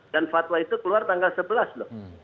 dan fatwa itu keluar tanggal sebelas lho